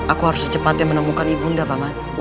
aku harus cepat yang menemukan ibu nda paman